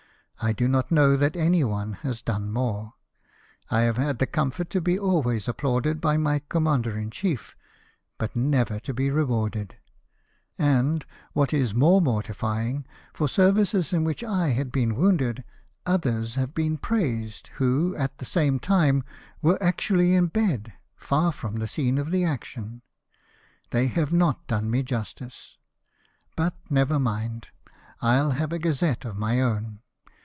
I do not know that any one has done more. I have had the comfort to be always applauded by my com mander in chief, but never to be rewarded ; and, what is more mortifying, for services in which I have been HIS SERVICES AT CALVI OVERLOOKED. 75 wounded, others have been praised, who, at the same time, were actually in bed, far from the scene of action. They have not done me justice. But, never mind, I'll have a gazette of my own."